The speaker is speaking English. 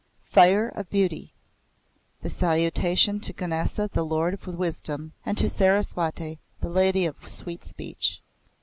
FIRE OF BEAUTY (Salutation to Ganesa the Lord of Wisdom, and to Saraswate the Lady of Sweet Speech!)